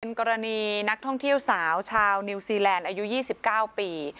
กรณีนักท่องเที่ยวสาวชาวนิวซีแลนด์อายุ๒๙ปี